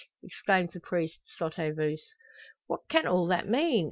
exclaims the priest, sotto voce. "What can all that mean?